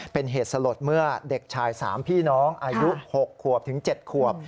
เป็นเหตุสลดเมื่อเด็กชาย๓พี่น้องอายุ๖ขวบถึง๗ขวบ